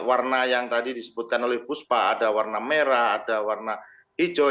warna yang tadi disebutkan oleh puspa ada warna merah ada warna hijau